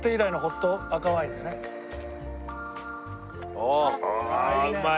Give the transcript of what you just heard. ああうまい。